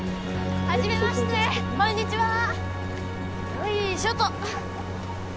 よいしょっと。